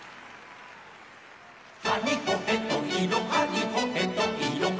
「はにほへといろはにほへといろは」